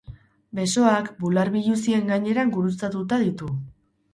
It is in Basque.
Besoak, bular biluzien gaineran gurutzatuta ditu.